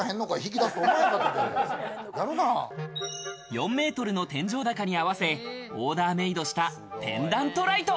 ４ｍの天井高に合わせ、オーダーメイドしたペンダントライト。